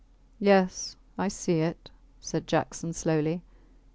Yes; I see it, said Jackson, slowly.